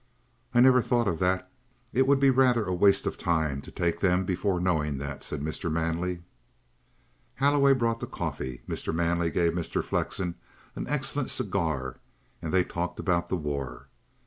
"I never thought of that. It would be rather a waste of time to take them before knowing that," said Mr. Manley. Holloway brought the coffee; Mr. Manley gave Mr. Flexen an excellent cigar, and they talked about the war.